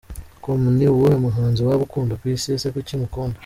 com : Ni uwuhe muhanzi waba ukunda ku isi? Ese kuki umukunda?.